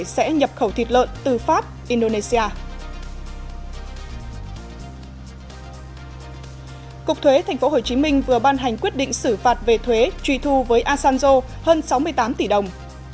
quốc hội hồ chí minh vừa ban hành quyết định xử phạt về thuế truy thu với asanjo hơn sáu mươi tám tỷ đồng